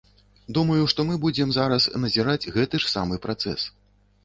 Думаю, што мы будзем зараз назіраць гэты ж самы працэс.